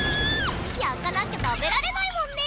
焼かなきゃ食べられないもんね。